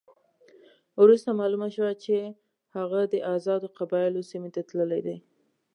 وروسته معلومه شوه چې هغه د آزادو قبایلو سیمې ته تللی دی.